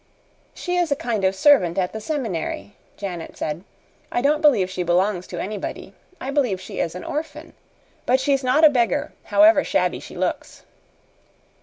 "She is a kind of servant at the seminary," Janet said. "I don't believe she belongs to anybody. I believe she is an orphan. But she is not a beggar, however shabby she looks."